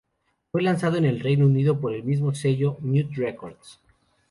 Fue lanzado en el Reino Unido, el por el sello Mute Records.